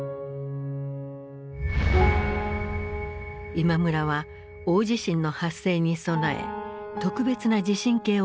今村は大地震の発生に備え特別な地震計を作っていた。